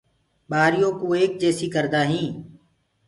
ٻآريو ڪو ايڪ جيسي ڪردآ هين پڇي